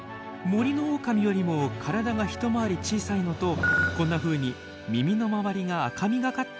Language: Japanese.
森のオオカミよりも体が一回り小さいのとこんなふうに耳の周りが赤みがかった色をしているものが多いんです。